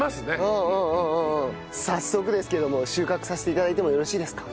早速ですけども収穫させて頂いてもよろしいですか？